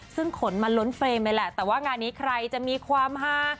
ซึ่งขนมันล้นเฟรมเลยแหละแต่ว่างานนี้ใครจะมีความฮา